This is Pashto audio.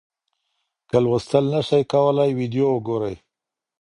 که لوستل نسئ کولای ویډیو وګورئ.